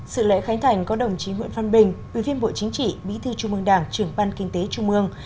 sự lễ khánh thành có đồng chí nguyễn văn bình ủy viên bộ chính trị bí thư trung mương đảng trưởng ban kinh tế trung mương